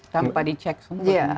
tanpa dicek semua